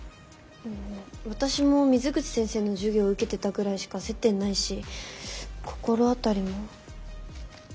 私も水口先生の授業受けてたぐらいしか接点ないし心当たりも。